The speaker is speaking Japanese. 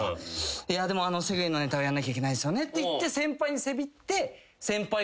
いやでもセグウェイのネタをやんなきゃいけないんすよね」って先輩にせびって。